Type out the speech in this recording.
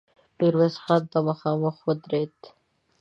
ميرويس خان ته مخامخ ودرېد.